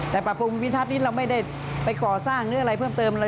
แต่ปรับปรุงวิทัศนี้เราไม่ได้ไปก่อสร้างหรืออะไรเพิ่มเติมเลย